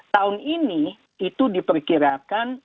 tahun ini itu diperkirakan